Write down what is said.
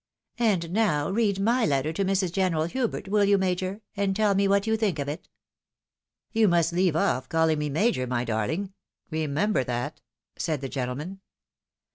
" And now read my letter to Mrs. General Hubert, will you. Major, and tell me what you think of it." " You must leave off calling me Major, my darhng, — re member that," said the gentleman.